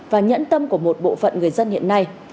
và nhẫn tâm của một bộ phận người dân hiện nay